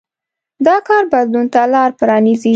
دا کار بدلون ته لار پرانېزي.